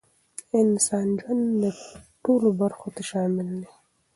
د انسان د ژوند ټولو برخو ته شامل دی،